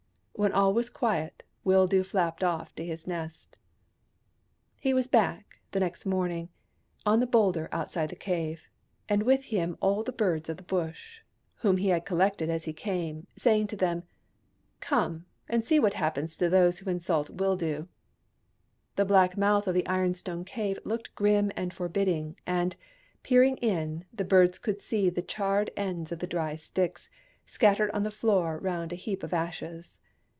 When all was quiet Wildoo flapped off to his nest. He was back next morning on the boulder outside the cave, and with him all the birds of the Bush, THE BURNING OF THE CROWS 207 whom he had collected as he came, saying to them, " Come and see what happens to those who insult Wildoo." The black mouth of the ironstone cave looked grim and forbidding, and, peering in, the birds could see the charred ends of the dry sticks, scattered on the floor round a heap of ashes.